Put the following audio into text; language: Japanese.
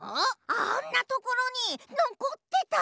あんなところにのこってた！